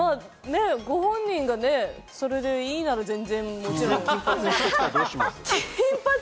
ご本人がそれでいいなら、もちろん。